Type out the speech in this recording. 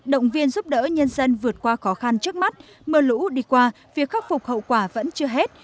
động viên giúp đỡ nhân dân vượt qua khó khăn trước mắt mưa lũ đi qua việc khắc phục hậu quả vẫn chưa hết